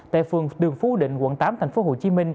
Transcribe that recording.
tại phường đường phú định quận tám tp hcm